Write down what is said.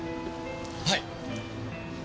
はい。